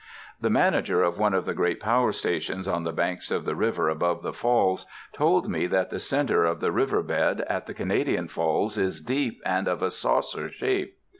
The manager of one of the great power stations on the banks of the river above the Falls told me that the center of the riverbed at the Canadian Falls is deep and of a saucer shape.